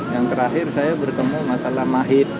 yang terakhir saya bertemu masalah mahir